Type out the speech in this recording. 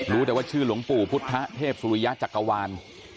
รู้แต่ว่าชื่อหลวงปู่พุทธเทพสุริยะจักรวาล